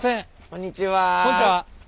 こんにちは。